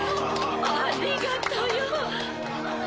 ありがとうよ。